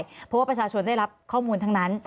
เพราะว่าประชาชนได้รับข้อมูลทั้งนั้น